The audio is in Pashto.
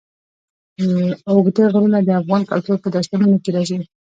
اوږده غرونه د افغان کلتور په داستانونو کې راځي.